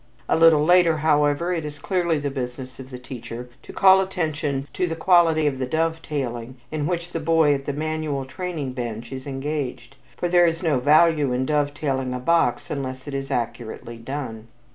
A little later, however, it is clearly the business of the teacher to call attention to the quality of the dovetailing in which the boy at the manual training bench is engaged, for there is no value in dovetailing a box unless it is accurately done.